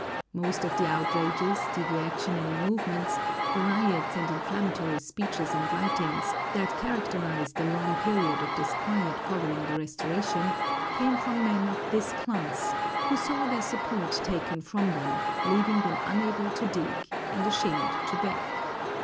Most of the outrages, the reactionary movements, the riots and inflammatory speeches and writings, that characterized the long period of disquiet following the Restoration, came from men of this class, who saw their support taken from them, leaving them unable to dig and ashamed to beg.